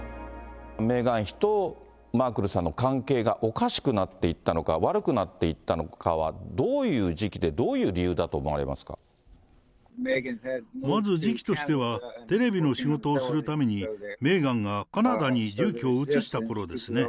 メーガン妃とマークルさんの関係がおかしくなっていったのか、悪くなっていったのかは、どういう時期で、どういう理由だと思わまず時期としては、テレビの仕事をするために、メーガンがカナダに住居を移したころですね。